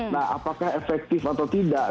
nah apakah efektif atau tidak